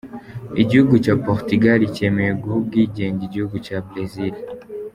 Igihugu cya Portugal cyemeye guha ubwigenge igihugu cya Brazil.